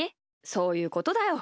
そういうことだよ。